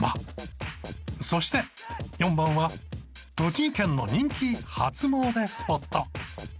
そして４番は栃木県の人気初詣スポット。